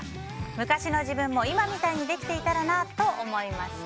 昔の自分も今みたいにできていたらなと思いました。